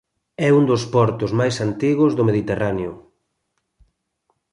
É un dos portos máis antigos do Mediterráneo.